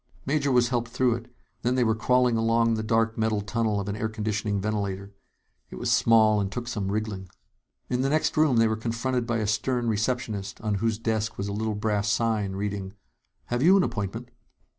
Major was helped through it, then they were crawling along the dark metal tunnel of an air conditioning ventilator. It was small, and took some wriggling. In the next room, they were confronted by a stern receptionist on whose desk was a little brass sign, reading: "Have you an appointment?"